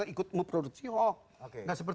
ikut memproduksi hoax